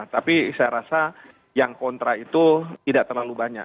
tapi saya rasa yang kontra itu tidak terlalu banyak